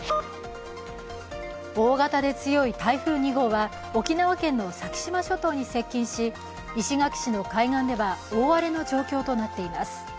大型で強い台風２号は沖縄県の先島諸島に接近し石垣市の海岸では大荒れの状況となっています。